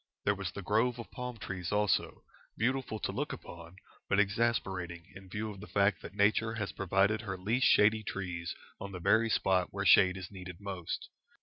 There was the grove of palm trees also, beautiful to look upon, but exasperating in view of the fact that Nature has provided her least shady trees on the very spot where shade is needed most.